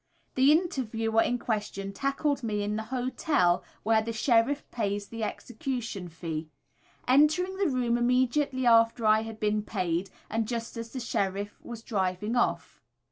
The interviewer in question tackled me in the hotel where the Sheriff pays the execution fee; entering the room immediately after I had been paid, and just as the Sheriff was driving off.